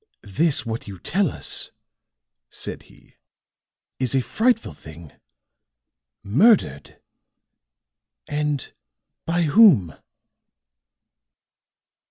"This what you tell us," said he, "is a frightful thing! Murdered! And by whom?"